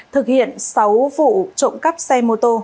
thực hiện sáu vụ trộm cắp xe mô tô